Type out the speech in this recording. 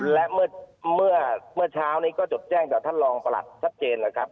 และเมื่อเช้านี้ก็จดแจ้งต่อท่านรองประหลัดชัดเจนแล้วครับ